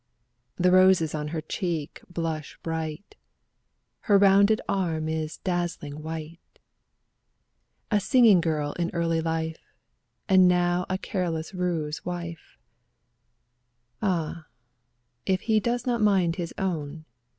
The roses on her cheek blush bright, Her rounded arm is dazzling white; A singing girl in early life. And now a careless roue's wife Ah, if he does not mind his own.